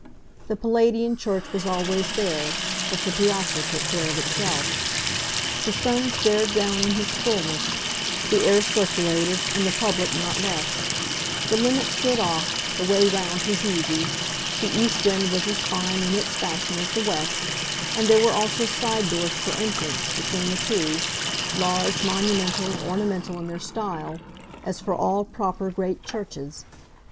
The Palladian church was always there, but the piazza took care of itself. The sun stared down in his fulness, the air circulated, and the public not less; the limit stood off, the way round was easy, the east end was as fine, in its fashion, as the west, and there were also side doors for entrance, between the two large, monumental, ornamental, in their style as for all proper great churches.